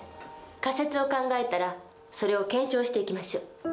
仮説を考えたらそれを検証していきましょう。